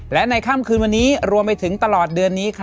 และในค่ำคืนวันนี้รวมไปถึงตลอดเดือนนี้